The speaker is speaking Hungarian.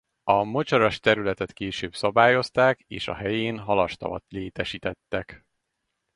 A mocsaras területet később szabályozták és a helyén halastavat létesítettek.